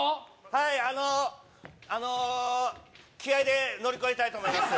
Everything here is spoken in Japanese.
はいあのあの気合いで乗り越えたいと思います